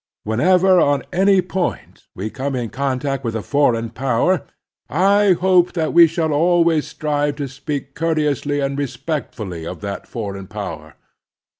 Whenever on any point we come in contact with a foreign power, I hope that we shall always strive to speak cour teoiisly and respectfully of that foreign power.